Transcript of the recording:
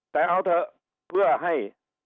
แต่เอาเถอะเพื่อให้